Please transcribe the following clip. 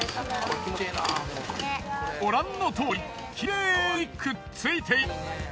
ご覧のとおりきれいにくっついています。